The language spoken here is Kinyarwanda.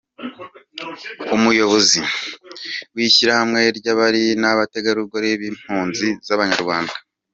Umuyobozi w’ishyirahamwe ry’abari n’abategarugori b’impunzi z’abanyarwanda